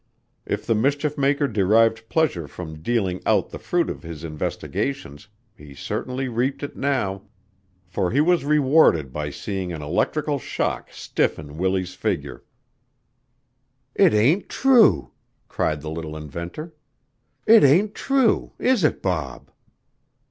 If the mischief maker derived pleasure from dealing out the fruit of his investigations he certainly reaped it now, for he was rewarded by seeing an electrical shock stiffen Willie's figure. "It ain't true!" cried the little inventor. "It ain't true! Is it, Bob?"